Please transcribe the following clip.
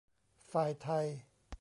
ฝ่ายไทย